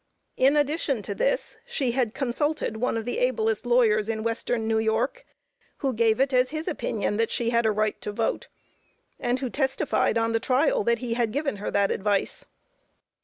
In addition to this she had consulted one of the ablest lawyers in Western New York, who gave it as his opinion that she had a right to vote, and who testified on the trial that he had given her that advice.